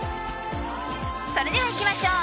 それでは、いきましょう。